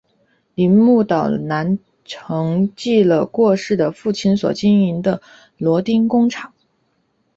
铃木岛男承继了过世的父亲所经营的螺钉工厂。